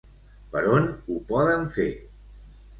Per on ho poden fer?